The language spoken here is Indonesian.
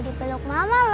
aku ngga putus j série